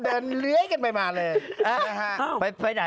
เดินเลื้อยกันไปมาเลยเออพามาไปไปไหน